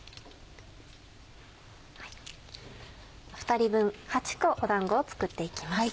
２人分８個だんごを作って行きます。